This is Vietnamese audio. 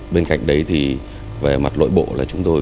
bên cạnh đấy thì về mặt nội bộ là chúng tôi